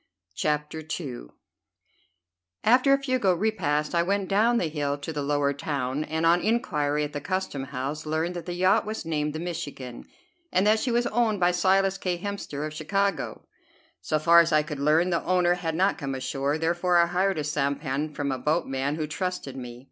CHAPTER II After a frugal repast I went down the hill to the lower town, and on inquiry at the custom house learned that the yacht was named the "Michigan," and that she was owned by Silas K. Hemster, of Chicago. So far as I could learn, the owner had not come ashore; therefore I hired a sampan from a boatman who trusted me.